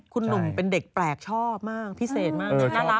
คุณหนุ่มเป็นเด็กแปลกชอบมากพิเศษมากน่ารัก